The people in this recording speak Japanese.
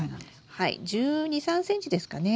はい１２１３ｃｍですかね。